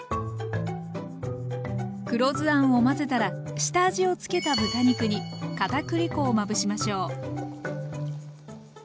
黒酢あんを混ぜたら下味をつけた豚肉に片栗粉をまぶしましょう。